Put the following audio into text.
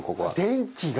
電気が。